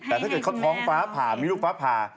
แต่ถ้าเกิดเขาท้องฟ้าผ่ามีลูกฟ้าผ่า